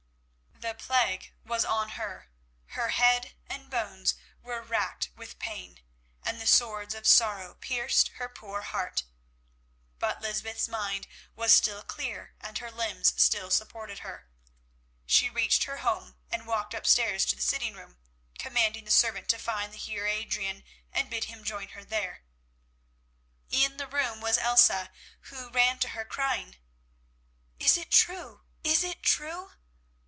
The plague was on her, the plague was on her, her head and bones were racked with pain, and the swords of sorrow pierced her poor heart. But Lysbeth's mind was still clear, and her limbs still supported her. She reached her home and walked upstairs to the sitting room, commanding the servant to find the Heer Adrian and bid him join her there. In the room was Elsa, who ran to her crying, "Is it true? Is it true?"